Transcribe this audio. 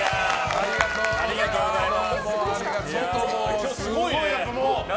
ありがとうございます。